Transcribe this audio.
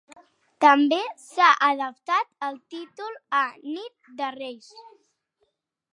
També s’ha adaptat al títol a Nit de Reis.